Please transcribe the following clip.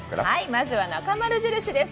まずは、なかまる印です。